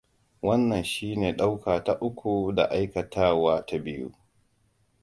Wannan shine ɗauka ta uku da aikatawa ta biyu.